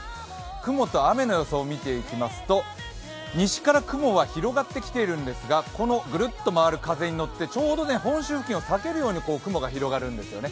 雲と雨の予想を見ていきますと、西から雲は広がってきているんですが、このぐるっと回る風にのってちょうど本州付近を避けるように雲が広がるんですよね。